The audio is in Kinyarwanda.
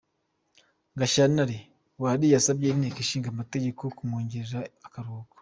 Gashyantare: Buhari yasabye inteko ishinga amategeko kumwongerera akaruhuko.